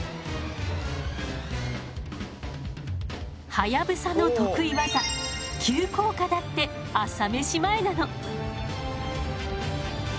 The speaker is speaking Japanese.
ハヤブサの得意技急降下だって朝飯前なの。